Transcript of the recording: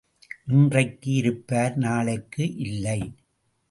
இன்றைக்கு இருப்பார் நாளைக்கு இல்லை.